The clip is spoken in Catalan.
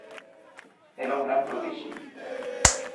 Era un gran prodigi.